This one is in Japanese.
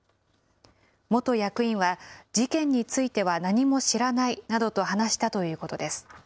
元役員は、事件については何も知らないなどと話したということです。